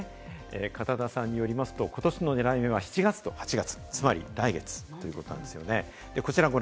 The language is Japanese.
片田さんによりますと、ことしの狙い目は７月と８月、つまり来月ということです。